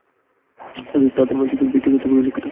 তাদের মাঝে বিক্ষিপ্ততা পরিলক্ষিত হয়।